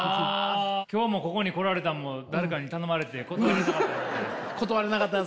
今日もここに来られたのも誰かに頼まれて断れなかった？